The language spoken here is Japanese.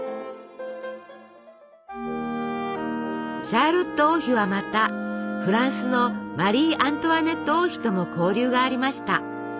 シャーロット王妃はまたフランスのマリー・アントワネット王妃とも交流がありました。